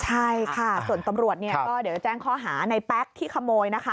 ใช่ค่ะส่วนตำรวจเนี่ยก็เดี๋ยวจะแจ้งข้อหาในแป๊กที่ขโมยนะคะ